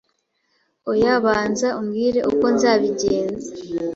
Oya banza umbwire uko nzabigenza